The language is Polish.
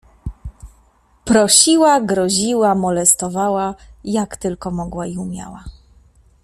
"Prosiła, groziła, molestowała, jak tylko mogła i umiała."